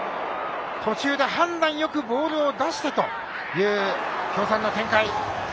途中で判断よくボールを出してという京産の展開。